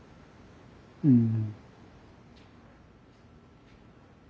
うん。